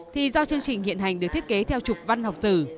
thì do chương trình hiện hành được thiết kế theo trục văn học tử